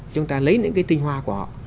chúng ta lấy những cái tinh hoa của họ